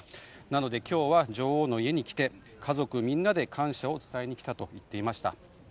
なので、今日は女王の家に来て家族みんなで感謝を伝えに来たと言っていました。